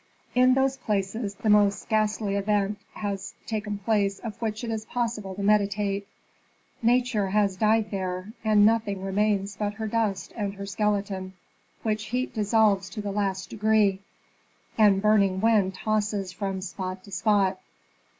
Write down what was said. In those places the most ghastly event has taken place of which it is possible to meditate: Nature has died there, and nothing remains but her dust and her skeleton, which heat dissolves to the last degree, and burning wind tosses from spot to spot.